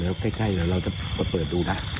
แล้วใกล้เราจะเปิดดูนะ